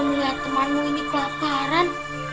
melihat temanmu ini kelaparan